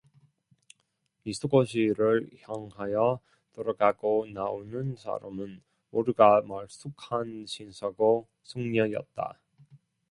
미쓰고시를 향하여 들어가고 나오는 사람은 모두가 말쑥한 신사고 숙녀였다.